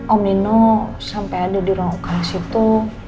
om nino sampai ada di ruang ukang situ